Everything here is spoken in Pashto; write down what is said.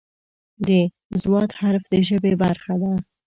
د "ض" حرف د ژبې برخه ده.